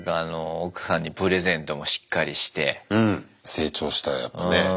成長したやっぱね。